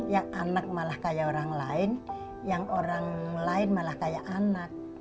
yang anak malah kayak orang lain yang orang lain malah kayak anak